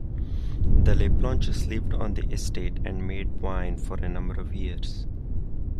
The Laplanches lived on the estate and made wine for a number of years.